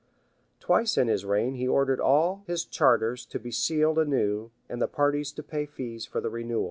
[*] Twice in his reign he ordered all his charters to be sealed anew, and the parties to pay fees for the renewal.